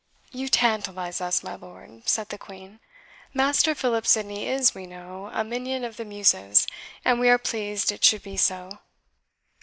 "You tantalize us, my lord," said the Queen "Master Philip Sidney is, we know, a minion of the Muses, and we are pleased it should be so.